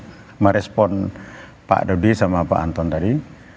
saya merespon pak dodi sama pak anton tadi